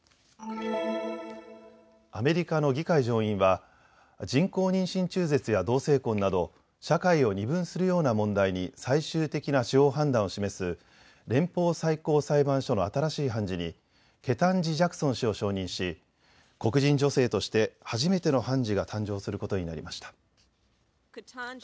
アメリカの議会上院は人工妊娠中絶や同性婚など社会を二分するような問題に最終的な司法判断を示す連邦最高裁判所の新しい判事にケタンジ・ジャクソン氏を承認し黒人女性として初めての判事が誕生することになりました。